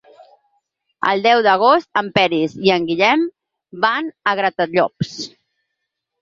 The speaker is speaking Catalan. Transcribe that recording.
El deu d'agost en Peris i en Guillem van a Gratallops.